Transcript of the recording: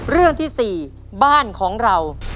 เรื่องที่๔บ้านของเรา